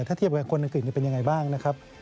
ถ้าเทียบกับคนอังกฤษเป็นยังไงบ้างนะครับ